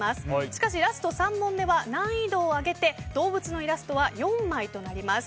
しかしラスト３問目は難易度を上げて動物のイラストは４枚となります。